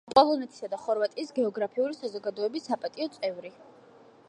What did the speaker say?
პოლონეთისა და ხორვატიის გეოგრაფიული საზოგადოების საპატიო წევრი.